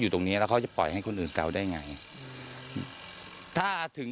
ตรงนี้แล้วเขาจะปล่อยให้คนอื่นเตาได้ไงถ้าถึง